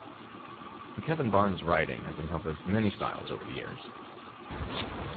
Kevin Barnes' writing has encompassed many styles over the years.